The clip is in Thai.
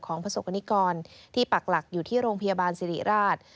ประสบกรณิกรที่ปักหลักอยู่ที่โรงพยาบาลสิริราช